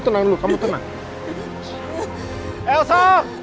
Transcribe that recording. tenang dulu kamu tenang elsa